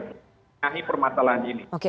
menangani permasalahan ini